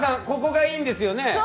ここがいいんですよね？